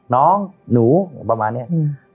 น้องหนูประมาณนี้